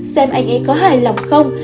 xem anh ấy có hài lòng không